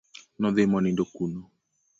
No dhi monindo kuno.